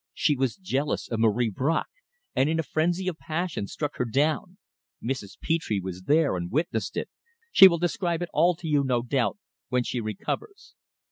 She was jealous of Marie Bracq, and in a frenzy of passion struck her down. Mrs. Petre was there and witnessed it. She will describe it all to you, no doubt, when she recovers."